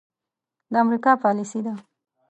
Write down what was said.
د امريکا پاليسي ده.